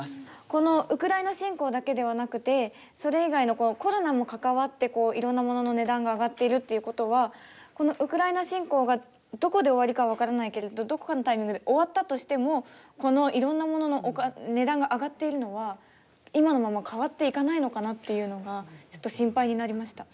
このウクライナ侵攻だけではなくてそれ以外のコロナも関わっていろんな物の値段が上がっているっていうことはウクライナ侵攻がどこで終わりか分からないけれどどこかのタイミングで終わったとしてもこのいろんな物の値段が上がっているのは今のまま変わっていかないのかなっていうのがちょっと心配になりました。